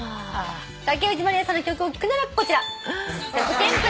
竹内まりやさんの曲を聴くならこちら。